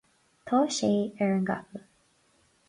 tá sé ar an gcapall